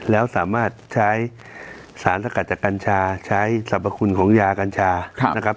แล้วสามารถใช้สารสกัดจากกัญชาใช้สรรพคุณของยากัญชานะครับ